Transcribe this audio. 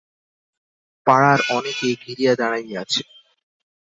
পাড়ার অনেকে ঘিরিয়া দাঁড়াইয়া আছে।